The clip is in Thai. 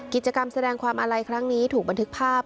กิจกรรมแสดงความอาลัยครั้งนี้ถูกบันทึกภาพ